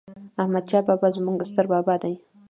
احمد شاه بابا ﺯموږ ستر بابا دي